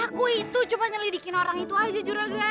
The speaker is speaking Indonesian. aku itu cuma nyelidikin orang itu aja juruhan